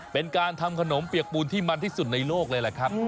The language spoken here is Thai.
เป็นการทำขนมเปียกปูนที่มันที่สุดในโลกเลยแหละครับ